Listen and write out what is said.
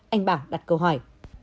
anh bảo đặt câu hỏi